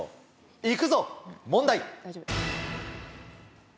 行くぞ問題。